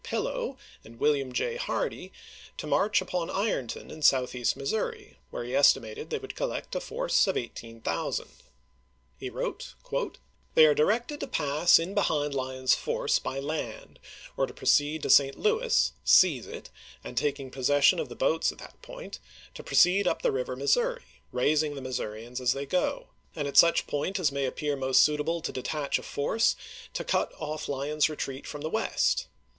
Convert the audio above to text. Pillow and William J. Hardee, to march upon Ironton in Southeast Missouri, where he estimated they would collect a force of 18,000. He wrote : They are directed to pass in behind Lyon's force by land, or to proceed to St. Louis, seize it, and, taking pos session of the boats at that point, to proceed up the river Missouri, raising the Missourians as they go ; and at such point as may appear most suitable to detach a force to cut off Lyon's return from the West.